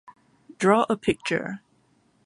Draw a picture.